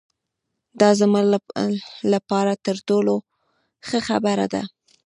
دا زما له پاره تر ټولو ښه خبره ده.